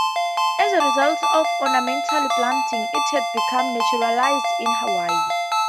As a result of ornamental planting, it has become naturalized in Hawaii.